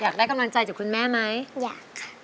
อยากได้กำลังใจจากคุณแม่ไหมอยากค่ะ